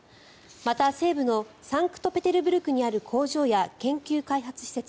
また、西部のサンクトペテルブルクにある工場や研究開発施設